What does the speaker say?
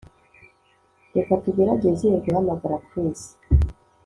Reka tugerageze guhamagara Chris